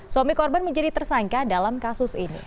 suami korban menjadi tersangka dalam kasus ini